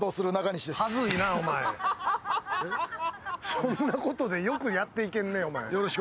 そんなことでよくやっていけんね、お前。